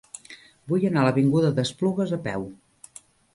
Vull anar a l'avinguda d'Esplugues a peu.